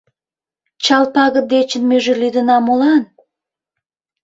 Чал пагыт дечын меже лӱдына молан?